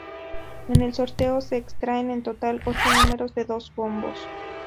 En el sorteo se extraen en total ocho números, de dos bombos.